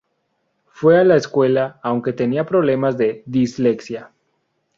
Fue a la escuela aunque tenía problemas de dislexia.